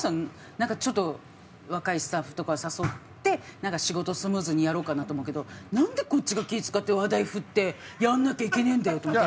なんかちょっと若いスタッフとか誘ってなんか仕事スムーズにやろうかなと思うけどなんでこっちが気ぃ使って話題振ってやんなきゃいけねえんだよと思ったら。